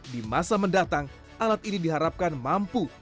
di masa mendatang alat ini diharapkan mampu